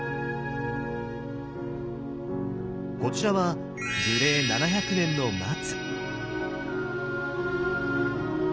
こちらは樹齢７００年の松。